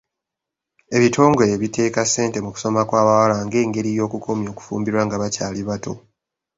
Ebitongole biteeka ssente mu kusoma kw'abawala nga engeri y'okukomya okufumbirwa nga bakyali bato.